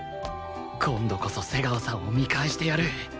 今度こそ瀬川さんを見返してやる